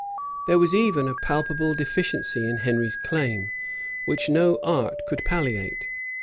There was even a palpable deficiency in Henry's claim, which no art could palliate.